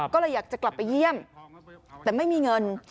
ก็เลยอยากจะกลับไปเยี่ยมแต่ไม่มีเงิน